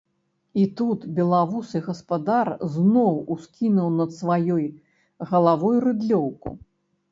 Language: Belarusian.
І тут белавусы гаспадар зноў ускінуў над сваёй галавой рыдлёўку.